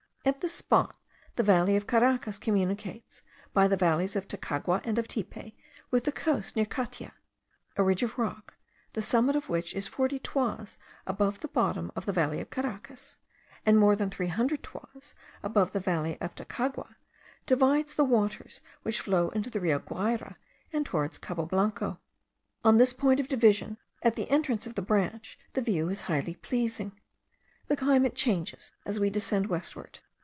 At this spot the valley of Caracas communicates, by the valleys of Tacagua and of Tipe, with the coast near Catia. A ridge of rock, the summit of which is forty toises above the bottom of the valley of Caracas, and more than three hundred toises above the valley of Tacagua, divides the waters which flow into the Rio Guayra and towards Cabo Blanco. On this point of division, at the entrance of the branch, the view is highly pleasing. The climate changes as we descend westward.